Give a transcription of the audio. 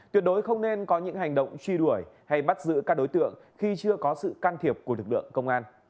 tuyệt đối không nên có những hành động truy đuổi hay bắt giữ các đối tượng khi chưa có sự can thiệp của lực lượng công an